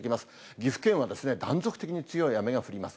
岐阜県は断続的に強い雨が降ります。